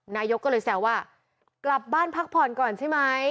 นายกก็เลยแซวว่ากลับบ้านพักผ่อนก่อนใช่ไหม